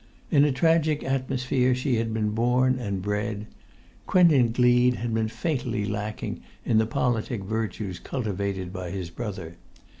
In a tragic atmosphere she had been born and bred. Quentin Gleed had been fatally lacking in the politic virtues cultivated by his brother.